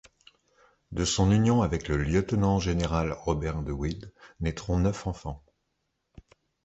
De son union avec le lieutenant général Robert de Wilde naîtront neuf enfants.